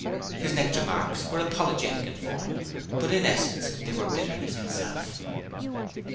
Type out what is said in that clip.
His next remarks were apologetic in form, but in essence they were bitterness itself.